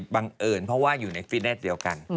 บังเอิญเพราะว่าอยู่ในฟิตเนสเดียวกัน